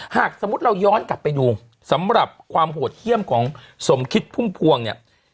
หากสมมุติเราย้อนกลับไปดูสำหรับความโหดเยี่ยมของสมคิดพุ่มพวงเนี่ย